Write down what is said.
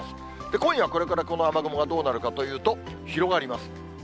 今夜これからこの雨雲がどうなるかといいますと、広がります。